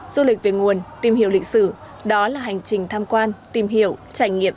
du lịch về nguồn tìm hiểu lịch sử đó là hành trình tham quan tìm hiểu trải nghiệm